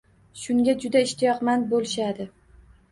Shunga juda ishtiyoqmand bo‘lishadi.